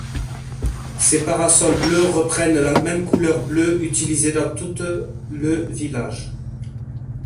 Ses parasols bleus reprennent la même couleur bleue utilisée dans toute le village.